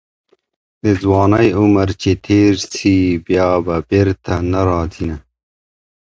د ځوانۍ عمر چي تېر سي بیا په بیرته نه راځینه